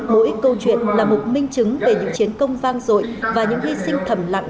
mỗi câu chuyện là một minh chứng về những chiến công vang dội và những hy sinh thầm lặng